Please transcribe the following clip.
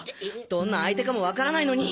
どんな相手かもわからないのに！